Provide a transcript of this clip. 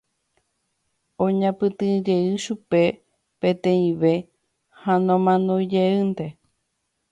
Oñapytĩjey chupe peteĩve ha nomanoijeýnte.